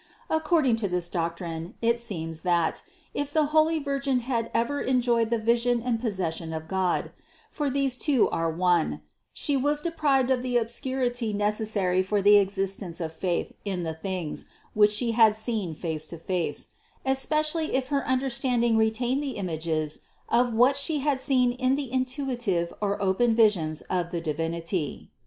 According to this doc trine, it seems, that, if the most holy Virgin had ever en joyed the vision and possession of God (for these two are one) She was deprived of the obscurity necessary for the existence of faith in the things, which She had seen face to face; especially if her understanding retained the images of what She had seen in the intuitive or open vis ion of the Divinity.